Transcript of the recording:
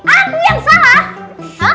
aku yang salah